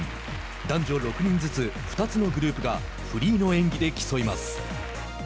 男女６人ずつ２つのグループがフリーの演技で競います。